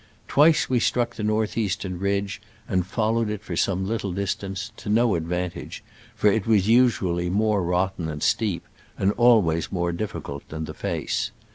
Twice we struck the north eastern ridge, and followed it for some little distance — to no advantage, for it was usually more rotten and steep, and always more difficult, than the face.